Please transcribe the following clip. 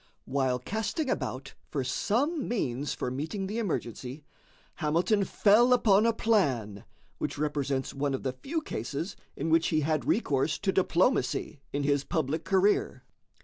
While casting about for some means for meeting the emergency, Hamilton fell upon a plan which represents one of the few cases in which he had recourse to diplomacy in his public career.